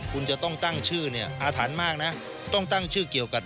คุณจะต้องตั้งชื่อเนี่ยอาถรรพ์มากนะต้องตั้งชื่อเกี่ยวกับ